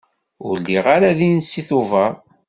Ur lliɣ ara din seg Tubeṛ.